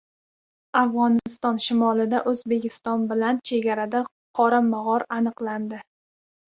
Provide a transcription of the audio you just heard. Afg‘oniston shimolida O‘zbekiston bilan chegarada qora mog‘or aniqlandi